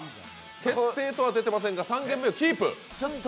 決定とは出ていませんが、３軒目をキープ。